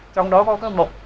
trong đó có cái mục